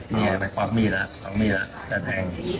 นี่ไงมันควักมีดละควักมีดละจะแทง